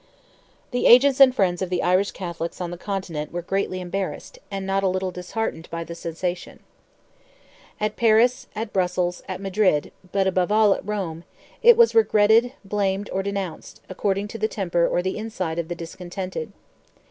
The agents and friends of the Irish Catholics on the Continent were greatly embarrassed, and not a little disheartened by the cessation. At Paris, at Brussels, at Madrid, but above all at Rome, it was regretted, blamed, or denounced, according to the temper or the insight of the discontented.